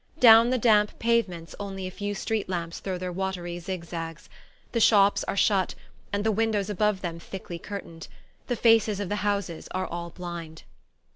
Down the damp pavements only a few street lamps throw their watery zigzags. The shops are shut, and the windows above them thickly curtained. The faces of the houses are all blind.